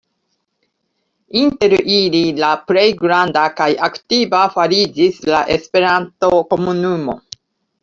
Inter ili la plej granda kaj aktiva fariĝis la Esperanto-komunumo.